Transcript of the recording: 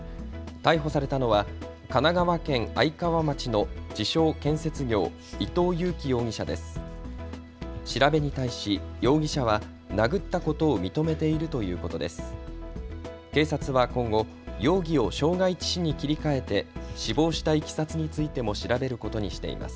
逮捕されたのは神奈川県愛川町の自称建設業、伊藤裕樹容疑者です。